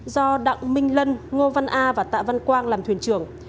do đặng minh lân ngô văn a và tạ văn quang làm thuyền trưởng